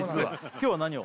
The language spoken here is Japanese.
今日は何を？